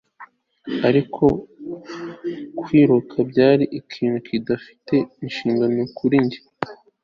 ariko kwiruka byari ikintu kidafite ishingiro kuri njye